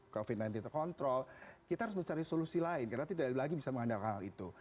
covid sembilan belas terkontrol kita harus mencari solusi lain karena tidak ada lagi bisa mengandalkan hal itu